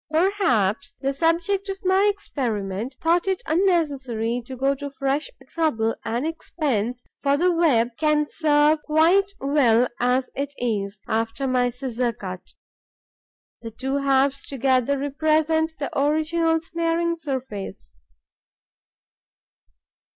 Perhaps the subject of my experiment thought it unnecessary to go to fresh trouble and expense, for the web can serve quite well as it is, after my scissor cut: the two halves together represent the original snaring surface.